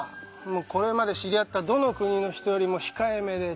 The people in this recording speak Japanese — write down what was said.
これまで知り合ったどの国の人よりも好感が持てた。